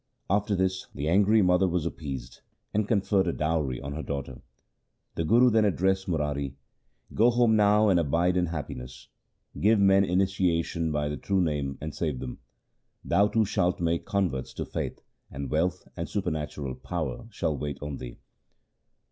After this the angry mother was appeased, and con ferred a dowry on her daughter. The Guru then addressed Murari :' Go home now and abide in happiness. Give men initiation by the true Name and save them. Thou too shalt make converts to the faith, and wealth and supernatural power shall wait on thee.'